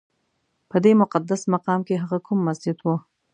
په دې مقدس مقام کې هغه کوم مسجد و؟